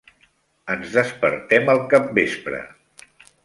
Ens despertem al capvespre.